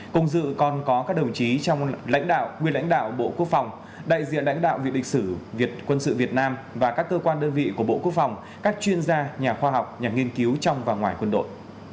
cùng dự còn có các đồng chí trong lãnh đạo nguyên lãnh đạo bộ quốc phòng đại diện lãnh đạo viện lịch sử việt quân sự việt nam và các cơ quan đơn vị của bộ quốc phòng các chuyên gia nhà khoa học nhà nghiên cứu trong và ngoài quân đội